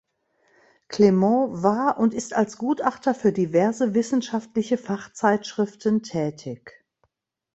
Clement war und ist als Gutachter für diverse wissenschaftliche Fachzeitschriften tätig.